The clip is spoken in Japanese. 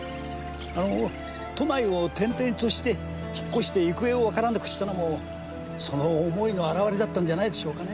都内を転々として引っ越して行方をわからなくしたのもその思いの表れだったんじゃないでしょうかね。